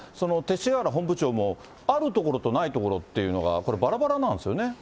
勅使河原本部長も、あるところとないところっていうのが、こればらばらなんですよね。